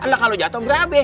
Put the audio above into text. ntar jatuh berabe